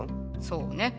そうね。